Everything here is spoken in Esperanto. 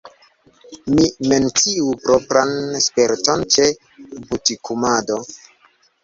Mi menciu propran sperton ĉe butikumado.